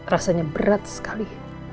rasanya berat sekali